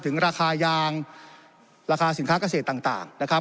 ถึงราคายางราคาสินค้าเกษตรต่างนะครับ